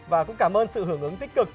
và cũng cảm ơn sự hưởng ứng tích cực